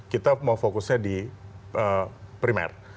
kita mau fokusnya di primer